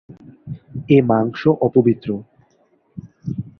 এ মাংস অপবিত্র।